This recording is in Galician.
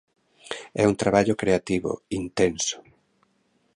É un traballo creativo, intenso.